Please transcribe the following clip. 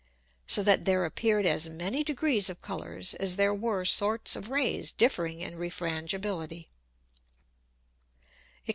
So that there appeared as many Degrees of Colours, as there were sorts of Rays differing in Refrangibility.